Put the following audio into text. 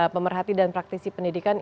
pemerhati dan praktisi pendidikan